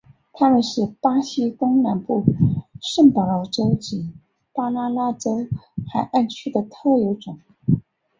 它们是巴西东南部圣保罗州及巴拉那州海岸区的特有种。